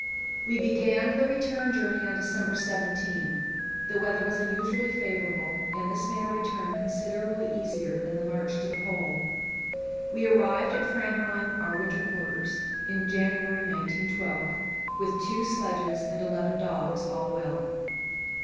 We began the return journey on December 17. The weather was unusually favourable, and this made our return considerably easier than the march to the Pole. We arrived at "Framheim," our winter quarters, in January, 1912, with two sledges and eleven dogs, all well.